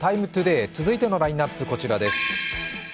「ＴＩＭＥ，ＴＯＤＡＹ」、続いてのラインナップこちらです。